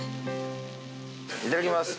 いただきます。